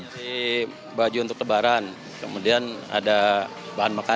jadi baju untuk lebaran kemudian ada bahan maksimal